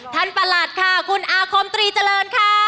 ประหลัดค่ะคุณอาคมตรีเจริญค่ะ